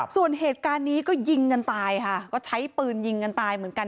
ส่วนเหตุการณ์นี้ก็ยิงกันตายค่ะก็ใช้ปืนยิงกันตายเหมือนกัน